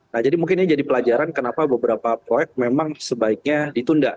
nah jadi mungkin ini jadi pelajaran kenapa beberapa proyek memang sebaiknya ditunda